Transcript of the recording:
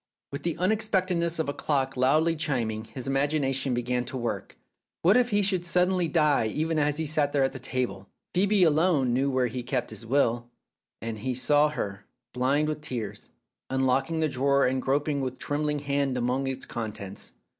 With the unexpectedness of a clock loudly chim ing, his imagination began to work again. What if he should suddenly die even as he sat there at his table ! Phcebe alone knew where his will was kept, and he saw her, blind with tears, unlocking the drawer and groping with trembling hand among its contents.